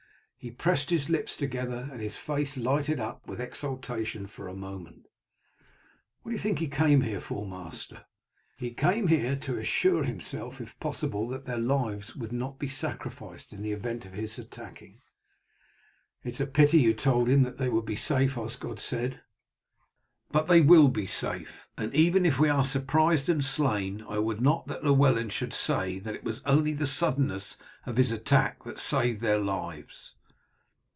He pressed his lips together, and his face lighted up with exultation for a moment." "What do you think he came here for, master?" "He came here to assure himself if possible that their lives would not be sacrificed in the event of his attacking." "It is a pity you told him they would be safe," Osgod said. "But they will be safe, and even if we are surprised and slain I would not that Llewellyn should say that it was only the suddenness of his attack that saved their lives.